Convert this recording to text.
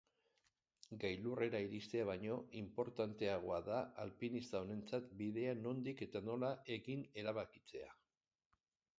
Gailurrera iristea baino inportanteagoa da alpinista honentzat bidea nondik eta nola egin erabakitzea.